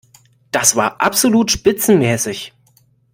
Das war absolut spitzenmäßig!